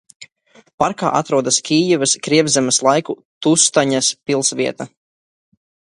Parkā atrodas Kijevas Krievzemes laiku Tustaņas pils vieta.